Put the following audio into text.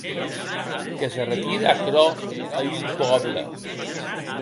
Que se retire aquerò a un pòble.